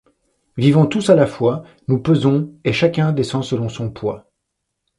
Vivant tous à la fois, Nous pesons, et chacun descend selon son poids.